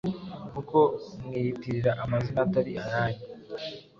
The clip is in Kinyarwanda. kuko mwiyitirira amazina Atari ayanyu